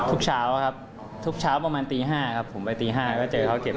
เช้าครับทุกเช้าประมาณตี๕ครับผมไปตี๕ก็เจอเขาเก็บ